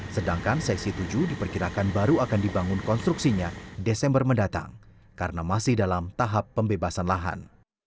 sedangkan seksi tujuh diperkirakan baru akan dibangun konstruksinya desember mendatang karena masih dalam tahap pembebasan lahan